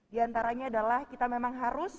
diantaranya adalah kita memang harus